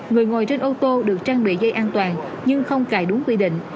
người ngồi trên ô tô được trang bị dây an toàn nhưng không cài đúng quy định